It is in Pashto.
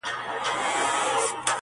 هغه چي تږې سي اوبه په پټو سترگو څيښي~